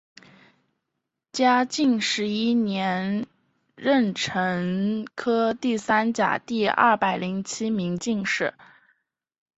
嘉靖十一年壬辰科第三甲第二百零七名进士。